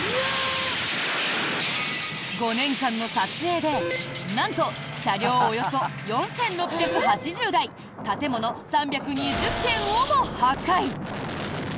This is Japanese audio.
５年間の撮影でなんと、車両およそ４６８０台建物３２０軒をも破壊。